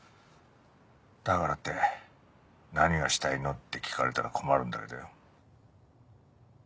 だからって何がしたいのって聞かれたら困るんだけどよ。